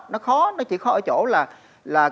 nó khó nó chỉ khó ở chỗ là